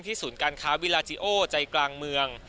ศูนย์การค้าวิลาจิโอใจกลางเมือง